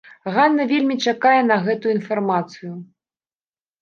Ганна вельмі чакае на гэтую інфармацыю.